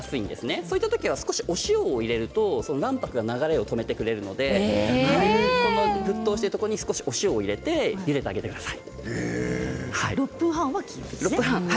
そうしたときは少しお塩を入れると卵白の流れを止めてくれるので沸騰しているところに少しお塩を入れてあげてください。